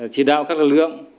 chỉ đạo các lực lượng